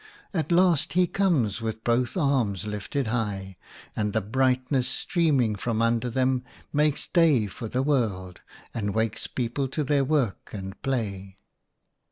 At last he comes with both arms lifted high, and the brightness, streaming from under them, makes day for the world, and wakes people to their work and play.